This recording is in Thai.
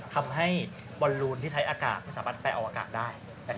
ทำให้บอลลูนที่ใช้อากาศไม่สามารถไปออกอากาศได้